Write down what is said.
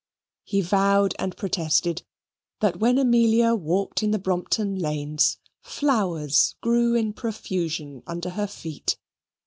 He vowed and protested that when Amelia walked in the Brompton Lanes flowers grew in profusion under her feet.